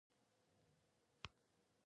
ويې ويل: وروسته به په کراره کيسې سره کوو.